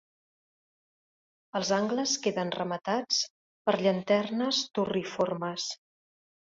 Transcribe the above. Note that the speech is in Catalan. Els angles queden rematats per llanternes turriformes.